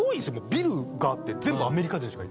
ビルがあって全部アメリカ人しかいない。